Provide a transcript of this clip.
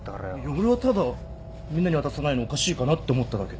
俺はただみんなに渡さないのおかしいかなって思っただけで。